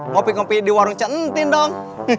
kopi kopi di warung centin dong